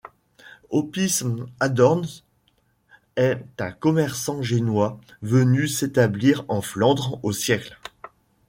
Opice Adornes est un commerçant génois venu s'établir en Flandres au siècle.